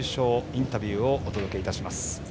インタビューをお届けいたします。